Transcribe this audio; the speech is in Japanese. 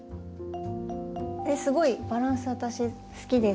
えっすごいバランス私好きです。